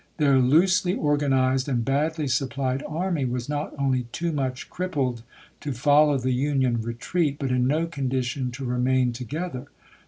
Then* loosely organized and badly supplied army was not only too much crip pled to follow the Union retreat, but in no condi tion to remain together.